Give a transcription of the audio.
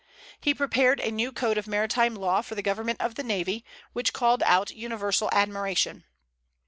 He prepared a new code of maritime law for the government of the navy, which called out universal admiration.